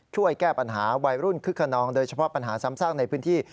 ช่วยแก้ปัญหาวัยรุ่นคึกขนองโดยเฉพาะปัญหาซ้ำซากในพื้นที่